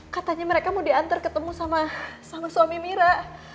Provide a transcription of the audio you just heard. katanya mereka mau dianter ketemu sama suami mira